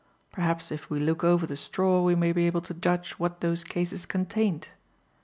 Perhaps if we look over the straw, we may be able to judge what those cases contained."